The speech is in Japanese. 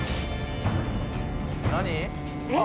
「何？」